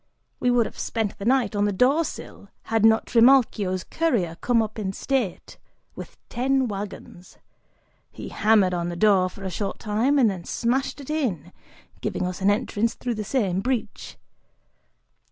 We would have spent the night on the door sill had not Trimalchio's courier come up in state, with ten wagons; he hammered on the door for a short time, and then smashed it in, giving us an entrance through the same breach.